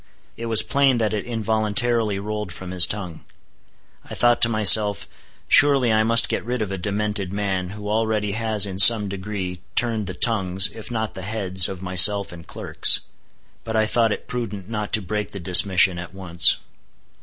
It was plain that it involuntarily rolled from his tongue. I thought to myself, surely I must get rid of a demented man, who already has in some degree turned the tongues, if not the heads of myself and clerks. But I thought it prudent not to break the dismission at once.